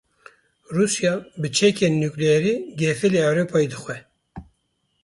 Rûsya bi çekên nukleerî gefê li Ewropayê dixwe.